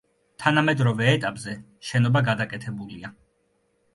თანამედროვე ეტაპზე შენობა გადაკეთებულია.